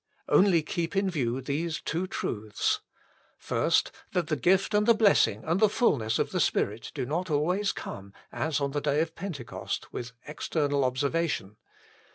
Only keep in view these two truths. First, that the gift and the blessing and the fulness of the Spirit do not always come, as on the day of Pentecost, with external observation.